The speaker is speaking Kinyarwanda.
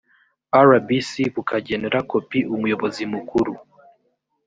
rbc bukagenera kopi umuyobozi mukuru